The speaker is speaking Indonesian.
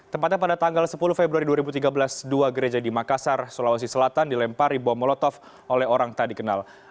tepatnya pada tanggal sepuluh februari dua ribu tiga belas dua gereja di makassar sulawesi selatan dilempari bom molotov oleh orang tak dikenal